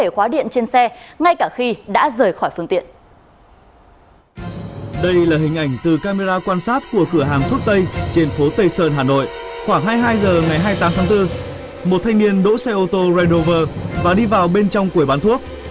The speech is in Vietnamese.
khoảng hai mươi hai h ngày hai mươi tám tháng bốn một thanh niên đỗ xe ô tô red rover và đi vào bên trong quầy bán thuốc